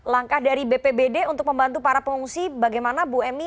langkah dari bpbd untuk membantu para pengungsi bagaimana bu emy